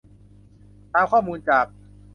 ตามข้อมูลจาก